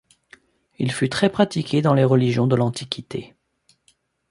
Il fut très pratiqué dans les religions de l'Antiquité.